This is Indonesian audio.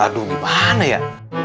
aduh gimana ya